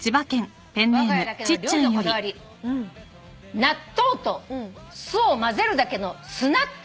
「わが家だけの料理のこだわり」「納豆と酢をまぜるだけの酢納豆」